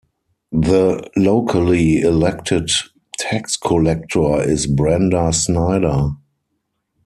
The locally elected tax collector is Brenda Snyder.